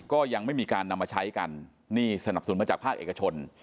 ก็ยังไม่มีการนำมาใช้กันนี่สนับสนุนมาจากภาคเอกชน